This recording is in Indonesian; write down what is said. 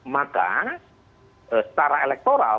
maka setara elektoral